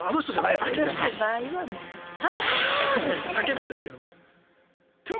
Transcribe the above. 叫ぶんですけども。